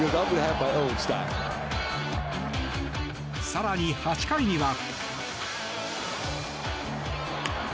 更に、８回には。